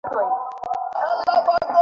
আমি সারা রাইত জগনা থাকব।